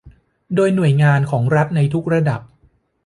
โดยหน่วยงานของรัฐในทุกระดับ